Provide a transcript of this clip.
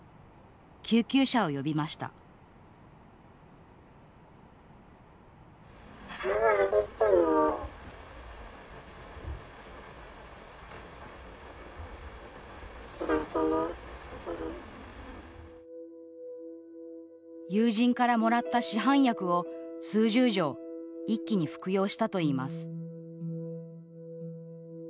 救急車を呼びました友人からもらった市販薬を数十錠一気に服用したといいます。